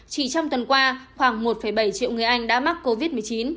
chỉ trong tuần qua khoảng một bảy triệu người anh đã mắc covid một mươi chín